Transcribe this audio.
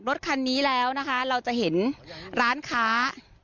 รถคันนี้แล้วนะคะเราจะเห็นร้านค้า